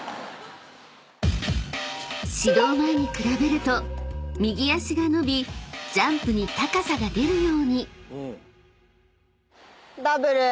［指導前に比べると右脚が伸びジャンプに高さが出るように］